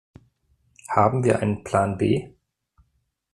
Haben wir einen Plan B?